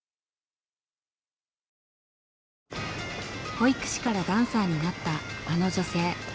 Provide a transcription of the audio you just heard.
保育士からダンサーになったあの女性。